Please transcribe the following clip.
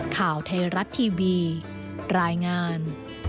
ข่าวไทยรัฐทีวีรายงาน